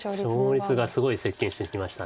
勝率がすごい接近してきました。